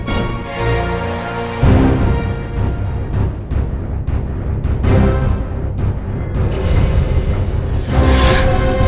aku akan menemukan kamu